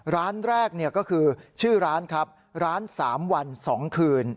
ร้านแรกก็คือชื่อร้านครับร้าน๓วัน๒คืน